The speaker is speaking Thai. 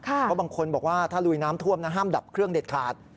เพราะบางคนบอกว่าถ้าลุยน้ำท่วมห้ามดับเครื่องเด็ดขาด